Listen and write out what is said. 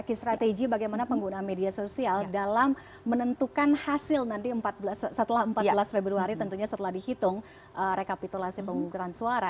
key strategy bagaimana pengguna media sosial dalam menentukan hasil nanti empat belas februari tentunya setelah dihitung rekapitulasi penggunaan suara